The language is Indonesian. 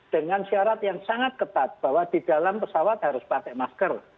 dengan syarat yang sangat ketat bahwa di dalam pesawat harus pakai masker